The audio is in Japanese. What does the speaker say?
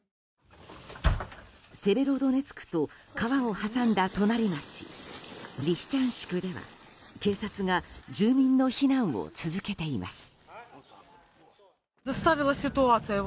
セベロドネツクと川を挟んだ隣町リシチャンシクでは警察が住民の避難を続けています。